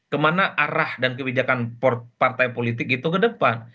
kemana arah dan kebijakan partai politik itu ke depan